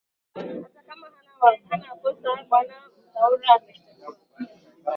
hata kama hana kosa bwana muthaura ameshitakiwa